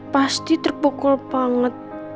pasti terpukul banget